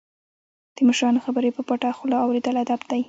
د مشرانو خبرې په پټه خوله اوریدل ادب دی.